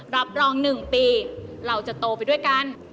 รับรอง๑ปีเราจะโตไปด้วยกัน